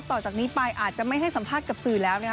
ต่อจากนี้ไปอาจจะไม่ให้สัมภาษณ์กับสื่อแล้ว